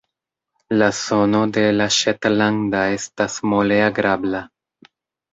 La sono de la ŝetlanda estas mole agrabla.